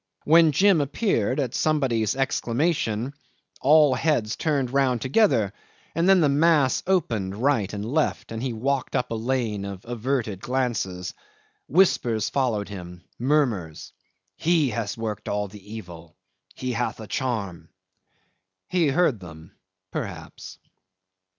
When Jim appeared, at somebody's exclamation, all the heads turned round together, and then the mass opened right and left, and he walked up a lane of averted glances. Whispers followed him; murmurs: "He has worked all the evil." "He hath a charm." ... He heard them perhaps!